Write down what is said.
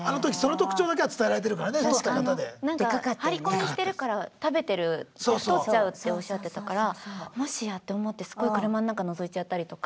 張り込みしてるから食べてる太っちゃうっておっしゃってたからもしやと思ってすごい車の中のぞいちゃったりとか。